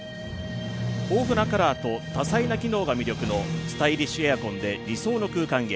豊富なカラーと多彩な機能が魅力のスタイリッシュエアコンで理想の空間へ。